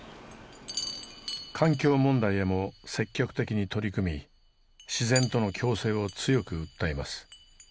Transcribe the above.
環境問題へも積極的に取り組み自然との共生を強く訴えます。